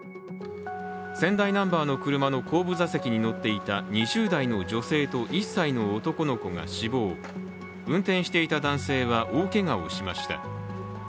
仙台ナンバーの車の後部座席に乗っていた２０代の女性と１歳の男の子が死亡、運転していた男性は、大けがをしました。